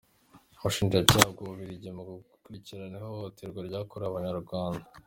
Ubushinjacyaha bw’u Bubiligi mu gukurikirana ihohoterwa ryakorewe Abanyarwanda